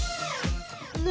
何？